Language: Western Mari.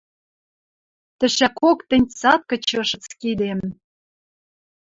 Тӹшӓкок тӹнь цат кычышыц кидем